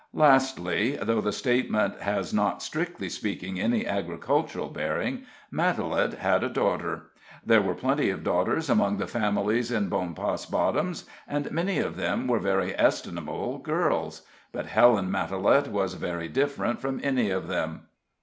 Lastly though the statement has not, strictly speaking, any agricultural bearing Matalette had a daughter. There were plenty of daughters among the families in Bonpas Bottoms, and many of them were very estimable girls; but Helen Matalette was very different from any of them.